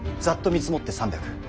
ざっと見積もって３００。